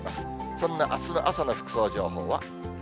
そんなあすの朝の服装情報は。